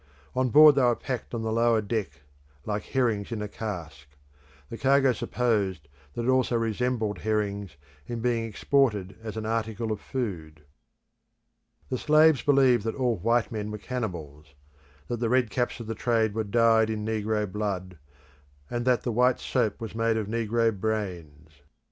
On board they were packed on the lower deck like herrings in a cask. The cargo supposed that it also resembled herrings, in being exported as an article of food. The slaves believed that all white men were cannibals; that the red caps of the trade were dyed in negro blood, and that the white soap was made of negro brains.